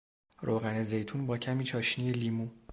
روغن زیتون با کمی چاشنی لیمو